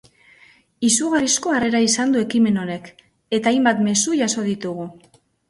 Izugarrizko harrera izan du ekimen honek, eta hainbat mezu jaso ditugu.